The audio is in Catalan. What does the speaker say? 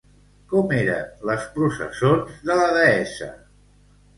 Com eren les processons de la deessa?